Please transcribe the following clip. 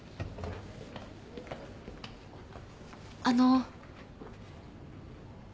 あの。